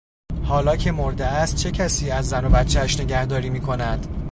حالا که مرده است چه کسی از زن و بچهاش نگهداری میکند؟